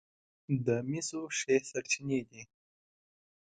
د مسو ښې سرچینې دي.